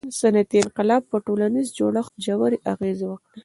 • صنعتي انقلاب پر ټولنیز جوړښت ژورې اغیزې وکړې.